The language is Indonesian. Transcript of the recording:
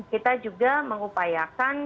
kita juga mengupayakan